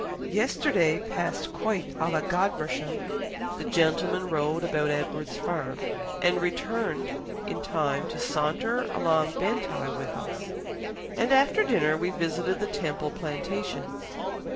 "Yesterday passed quite à la Godmersham; the gentlemen rode about Edward's farm, and returned in time to saunter along Bentigh with us; and after dinner we visited the Temple Plantations....